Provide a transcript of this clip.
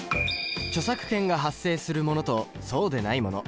著作権が発生するものとそうでないもの